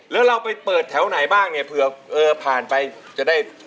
แล้วเราไปเปิดแถวไหนบ้างเนี่ยเผื่อผ่านไปจะได้